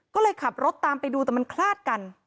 ก็เลยขับรถตามไปดูแต่มันคลาดกัน